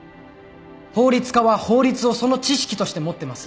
法律家は法律をその知識として持ってます。